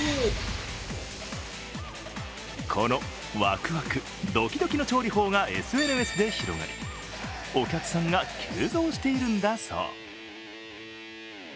このワクワク、ドキドキの調理法がＳＮＳで広がり、お客さんが急増しているのだそう。